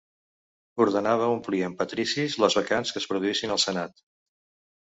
Ordenava omplir amb patricis les vacants que es produïssin al senat.